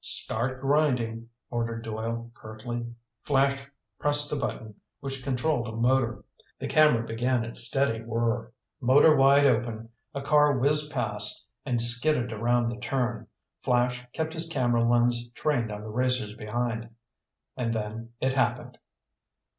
"Start grinding!" ordered Doyle curtly. Flash pressed a button which controlled a motor. The camera began its steady whirr. Motor wide open, a car whizzed past and skidded around the turn. Flash kept his camera lens trained on the racers behind. And then it happened!